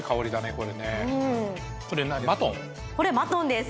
これねこれマトンです